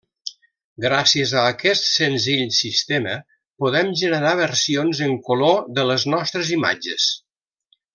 Gràcies a aquest senzill sistema podem generar versions en color de les nostres imatges.